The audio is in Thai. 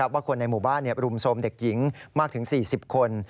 ว่าคนในหมู่บ้านรุมโทรมเด็กหญิงมากถึง๔๐คน